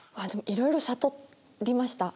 いろいろ悟りました。